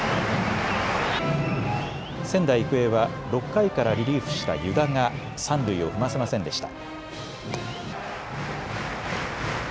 仙台育英は６回からリリーフした湯田が三塁を踏ませませんでした。